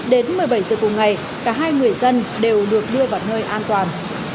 đến một mươi bảy giờ cùng ngày cả hai người dân đều được đưa vào nơi an toàn